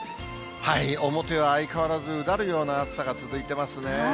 表は相変わらずうだるような暑さが続いてますね。